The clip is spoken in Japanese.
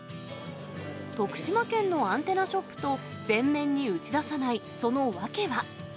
徳島県のアンテナショップと全面に打ち出さない、その訳は。